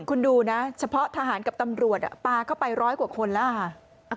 คุณดูนะเฉพาะทหารกับตำรวจปลาเข้าไปร้อยกว่าคนแล้วค่ะ